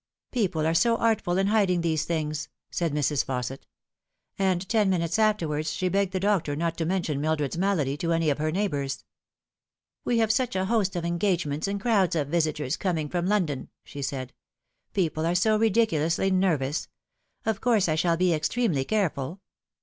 "People are so artful in hiding these things," eaid Mrs. Fausset ; and ten minutes afterwards she begged the doctor not to mention Mildred's malady to any of her neighbours. " We have such a host of engagements, and crowds of visitors coming from London," she said. " People are so ridiculously nervous. Of course I shall be extremely careful."